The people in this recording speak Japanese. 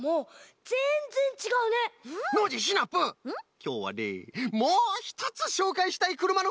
きょうはねもうひとつしょうかいしたいくるまのこうさくがあるんじゃ。